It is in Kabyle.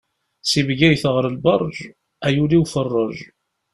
Si Bgayet ɣer Lberǧ, ay ul-iw ferreǧ!